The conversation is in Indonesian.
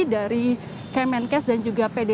dari kemenkes dan juga pd